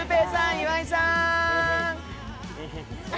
岩井さん！